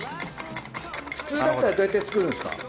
普通だったらどうやって作るんですか？